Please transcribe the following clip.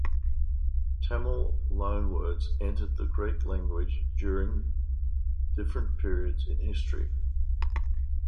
Tamil loanwords entered the Greek language during different periods in history.